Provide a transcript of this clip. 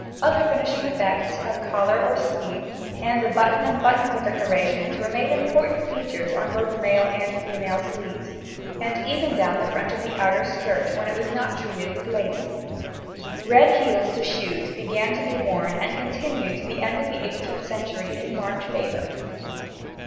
Other finishing effects of collar or sleeve, and the button and buttonhole decorations were made important features on both male and female sleeves, and even down the front of the outer skirt when it was not treated with lace. Red heels to shoes began to be worn and continued to the end of the 18th century in marked favour.